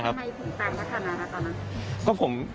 ทำไมถึงจากด้านนั้นครับตอนนั้น